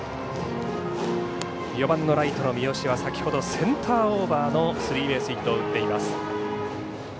４番ライトの三好は先ほどセンターオーバーのスリーベースヒットを打っています。